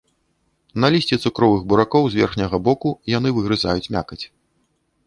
На лісці цукровых буракоў з верхняга боку яны выгрызаюць мякаць.